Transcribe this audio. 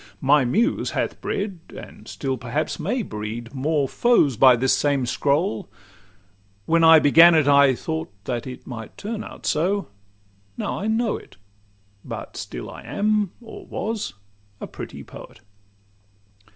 My Muse hath bred, and still perhaps may breed More foes by this same scroll: when I began it, I Thought that it might turn out so—now I know it, But still I am, or was, a pretty poet.